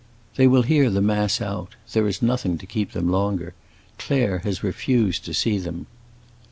"They will hear the mass out; there is nothing to keep them longer. Claire has refused to see them."